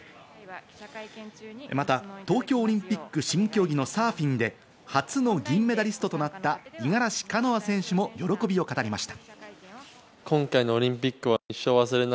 また、東京オリンピック新競技のサーフィンで初の銀メダリストとなった五十嵐カノア選手も喜びを語りました。